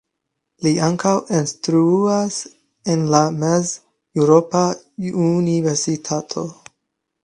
Li ankaŭ instruas en la Mez-Eŭropa Universitato.